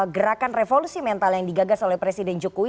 gerakan revolusi mental yang digagas oleh presiden jokowi